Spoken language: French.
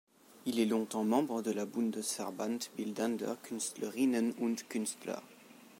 Il est longtemps membre de la Bundesverband Bildender Künstlerinnen und Künstler.